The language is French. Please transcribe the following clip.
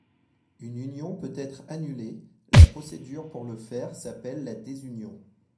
Une union peut être annulée, la procédure pour le faire s’appelle la désunion.